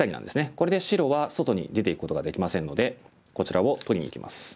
これで白は外に出ていくことができませんのでこちらを取りにいきます。